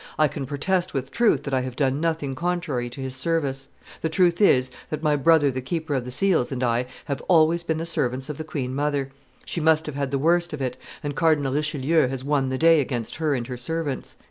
I can protest with truth that I have done nothing contrary to his service. The truth is, that my brother the keeper of the seals and I have always been the servants of the queen mother; she must have had the worst of it, and Cardinal Richelieu has won the day against her and her servants."